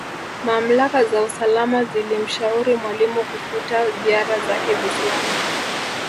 Mamlaka za usalama zilimshauri Mwalimu kufuta ziara zake Visiwani